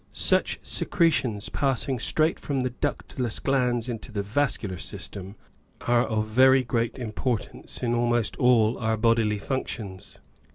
Such secretions passing straight from the ductless glands into the vascular system are of very great im portance in almost all our bodily functions.